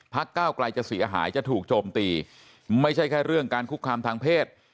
ก้าวไกลจะเสียหายจะถูกโจมตีไม่ใช่แค่เรื่องการคุกคามทางเพศ